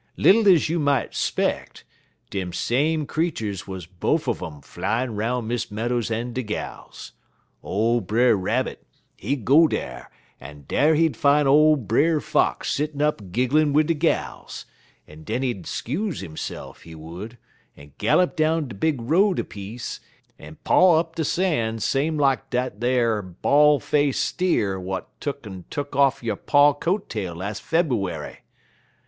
Little ez you might 'speck, dem same creeturs wuz bofe un um flyin' 'roun' Miss Meadows en de gals. Ole Brer Rabbit, he'd go dar, en dar he'd fine ole Brer Fox settin' up gigglin' wid de gals, en den he'd skuze hisse'f, he would, en gallop down de big road a piece, en paw up de san' same lak dat ar ball face steer w'at tuck'n tuck off yo' pa' coat tail las' Feberwary.